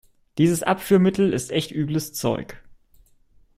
Dieses Abführmittel ist echt übles Zeug.